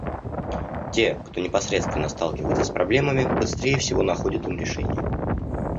Те, кто непосредственно сталкивается с проблемами, быстрее всего находят им решения.